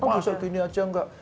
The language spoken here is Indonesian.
masa gini aja enggak